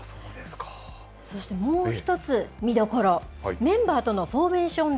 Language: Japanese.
そしてもう一つ、見どころ、メンバーとのフォーメーション